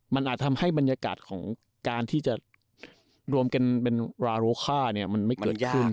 มันอาจทำให้บรรยากาศของการที่จะรวมกันเป็นราโรค่าเนี่ยมันไม่เกิดขึ้น